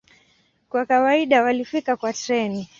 Kwa kawaida walifika kwa treni.